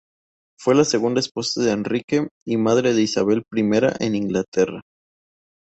Fue la segunda esposa de Enrique, y madre de Isabel I de Inglaterra.